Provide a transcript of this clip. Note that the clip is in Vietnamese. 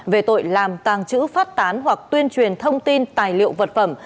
về tội làm tàng trữ phát tán hoặc tuyên truyền thông tin tài liệu vật phẩm